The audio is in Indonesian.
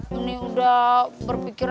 menik udah berpikirnya